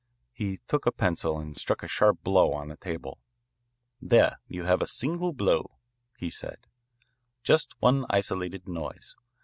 He took a pencil and struck a sharp blow on the table. "There you have a single blow," he said, "just one isolated noise.